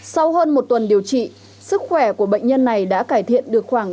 sau hơn một tuần điều trị sức khỏe của bệnh nhân này đã cải thiện được khoảng tám mươi